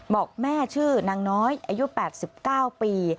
บอกแม่ชื่อนางน้อยอายุ๘๙ปี